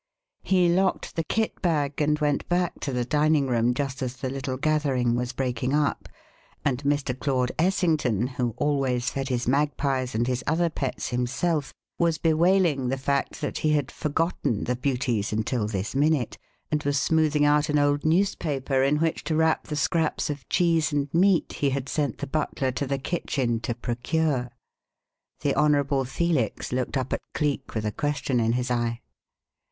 He locked the kit bag, and went back to the dining room just as the little gathering was breaking up, and Mr. Claude Essington, who always fed his magpies and his other pets himself, was bewailing the fact that he had "forgotten the beauties until this minute" and was smoothing out an old newspaper in which to wrap the scraps of cheese and meat he had sent the butler to the kitchen to procure. The Honourable Felix looked up at Cleek with a question in his eye.